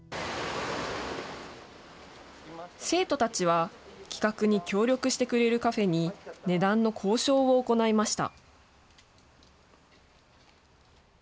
生徒たちは、企画に協力してくれるカフェに値段の交渉を行いました。